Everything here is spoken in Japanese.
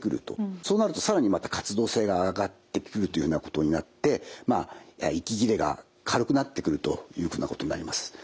そうなると更にまた活動性が上がってくるというふうなことになって息切れが軽くなってくるというふうなことになります。